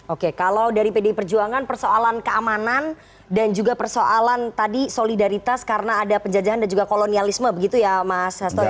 oke kalau dari pdi perjuangan persoalan keamanan dan juga persoalan tadi solidaritas karena ada penjajahan dan juga kolonialisme begitu ya mas hasto